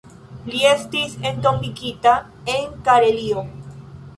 Li estis entombigita en Karelio.